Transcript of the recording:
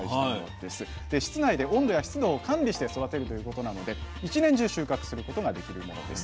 で室内で温度や湿度を管理して育てるということなので一年中収穫することができるものです。